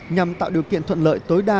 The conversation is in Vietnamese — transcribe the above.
nhằm tạo điều kiện thuận lợi tối đa